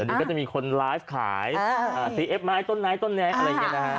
อันนี้ก็จะมีคนไลฟ์ขายซีเอฟไม้ต้นไม้ต้นนี้อะไรอย่างนี้นะฮะ